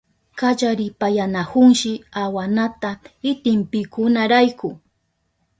Kallaripayanahunshi awanata itipinkunarayku.